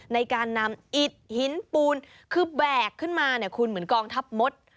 ในการนำอิดหินปูนคือแบกขึ้นมาเนี่ยคุณเหมือนกองทัพมด